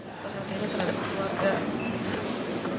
seperti ini terhadap keluarga